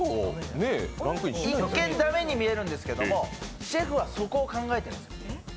一見、駄目に見えるんですけど、シェフはそこを考えているんです。